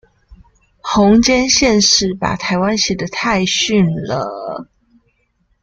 弘兼憲史把台灣寫得太遜了